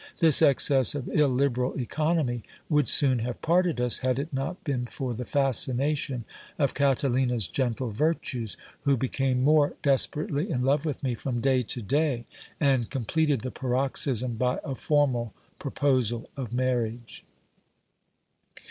This excess of illiberal economy would soon have parted us, had it not been for the fascination of Catalina's gentle virtues, who became more desperately in love with me from day to day, and completed the paroxysm by a formal proposal of marriage.